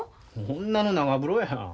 女の長風呂や。